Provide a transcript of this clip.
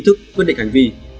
ý thức quyết định hành vi